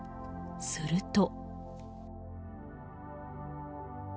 すると。